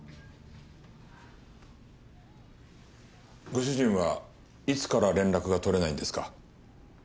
ご主人はいつから連絡が取れないんですか？